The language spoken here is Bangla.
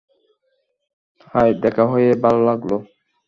হাই, দেখা হয়ে ভালো লাগলো।